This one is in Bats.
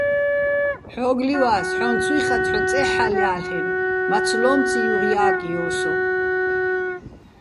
ჰ̦ო́გო̆ ლივა́ს, ჰ̦ო́ჼ ცუჲ ხაწე̆, ჰ̦ო წეჰ̦ალჲა́ლ'ენო̆, მაცლო́მციჼ ჲუღჲა́კჲო სო!